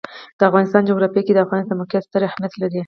د افغانستان جغرافیه کې د افغانستان د موقعیت ستر اهمیت لري.